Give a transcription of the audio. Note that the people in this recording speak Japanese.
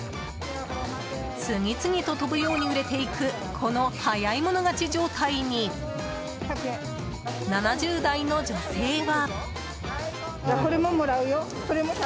次々と飛ぶように売れていくこの早い者勝ち状態に７０代の女性は。